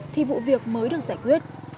thì vụ việc mới được giải quyết